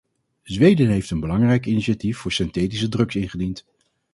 Zweden heeft een belangrijk initiatief voor synthetische drugs ingediend.